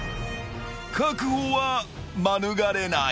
［確保は免れない］